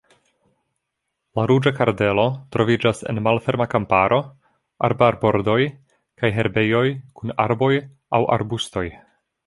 La Ruĝa kardelo troviĝas en malferma kamparo, arbarbordoj kaj herbejoj kun arboj aŭ arbustoj.